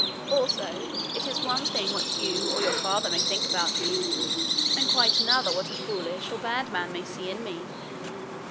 Also, it is one thing what you or your father may think about me, and quite another what a foolish or bad man may see in me.